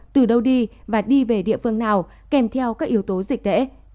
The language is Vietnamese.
từ đâu đi và đi về địa phương nào kèm theo các yếu tố dịch tễ